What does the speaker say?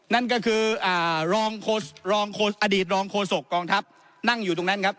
นั่นก็คือรองอดีตรองโฆษกองทัพนั่งอยู่ตรงนั้นครับ